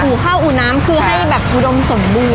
ข้าวอู่น้ำคือให้แบบอุดมสมบูรณ